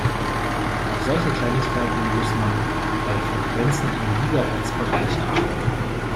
Auf solche Kleinigkeiten muss man bei Frequenzen im Gigahertzbereich achten.